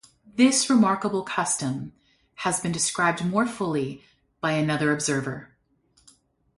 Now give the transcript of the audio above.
This remarkable custom has been described more fully by another observer.